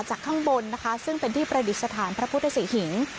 ข้างบนนะคะซึ่งเป็นที่ประดิษฐานพระพุทธศรีหิง